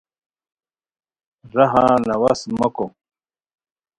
راہا نواہځ موکو